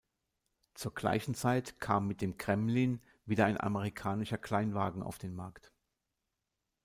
Zur gleichen Zeit kam mit dem Gremlin wieder ein amerikanischer Kleinwagen auf den Markt.